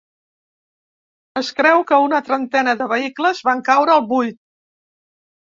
Es creu que una trentena de vehicles van caure al buit.